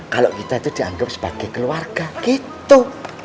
kalau kita itu dianggap sebagai keluarga gitu